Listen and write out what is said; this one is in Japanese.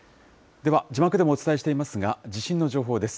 では字幕でもお伝えしていますが、地震の情報です。